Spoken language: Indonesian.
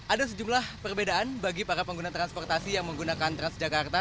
ada sejumlah perbedaan bagi para pengguna transportasi yang menggunakan transjakarta